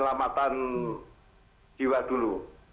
dan keamanan jiwa dulu